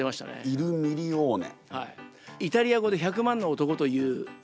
「イル・ミリオーネ！！」。